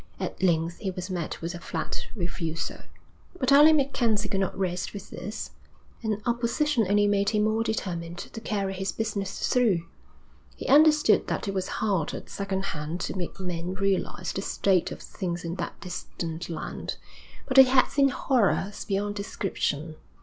At length he was met with a flat refusal. But Alec MacKenzie could not rest with this, and opposition only made him more determined to carry his business through. He understood that it was hard at second hand to make men realise the state of things in that distant land. But he had seen horrors beyond description.